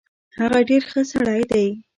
هغه ډیر خه سړی دی